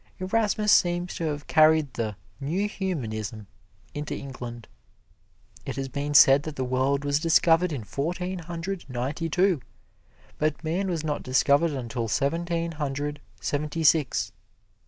Erasmus seems to have carried the "New Humanism" into England. It has been said that the world was discovered in Fourteen Hundred Ninety two, but Man was not discovered until Seventeen Hundred Seventy six.